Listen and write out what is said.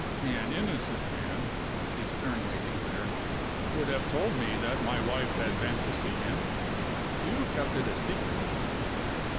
"An innocent man," he sternly declared, "would have told me that my wife had been to see him you kept it a secret.